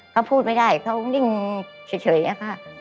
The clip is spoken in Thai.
เขาพูดไม่ได้เขานิ่งเฉยอะค่ะ